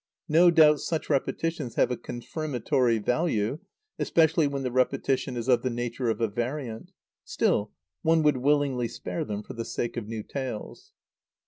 No doubt such repetitions have a confirmatory value, especially when the repetition is of the nature of a variant. Still, one would willingly spare them for the sake of new tales.